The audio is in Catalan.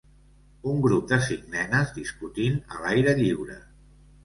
Un grup de cinc nenes discutint a l'aire lliure.